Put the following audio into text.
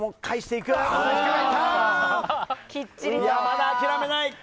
まだ諦めない。